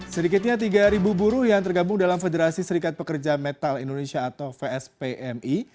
sedikitnya tiga buruh yang tergabung dalam federasi serikat pekerja metal indonesia atau vspmi